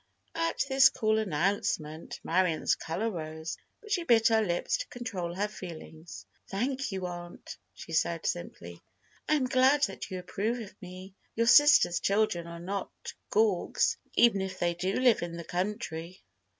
At this cool announcement, Marion's color rose, but she bit her lips to control her feelings. "Thank you, aunt," she said, simply; "I am glad that you approve of me. Your sister's children are not gawks, even if they do live in the country."